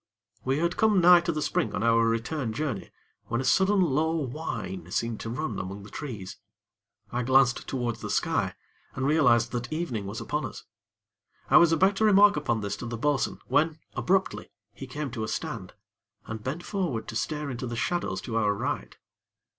We had come nigh to the spring on our return journey, when a sudden low whine seemed to run among the trees. I glanced towards the sky, and realized that the evening was upon us. I was about to remark upon this to the bo'sun, when, abruptly, he came to a stand, and bent forward to stare into the shadows to our right.